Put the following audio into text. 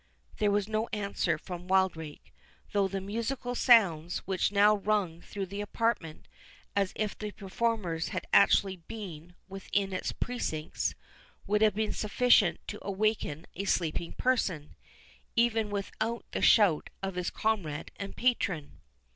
There was no answer from Wildrake, though the musical sounds, which now rung through the apartment, as if the performers had actually been, within its precincts, would have been sufficient to awaken a sleeping person, even without the shout of his comrade and patron.